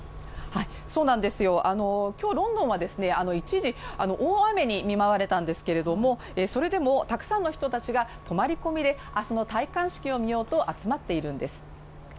今日ロンドンは一時大雨に見舞われたんですけれどもそれでもたくさんの人たちが泊まり込みで明日の戴冠式を見ようと集まっているんです。